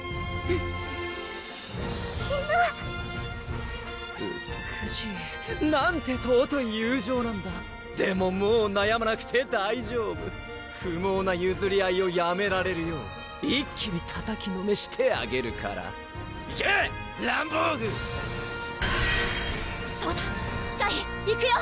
みんな美しいなんてとうとい友情なんだでももうなやまなくて大丈夫不毛なゆずり合いをやめられるよう一気にたたきのめしてあげるからいけランボーグそうだスカイいくよ！